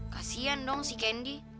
kasian dong si candy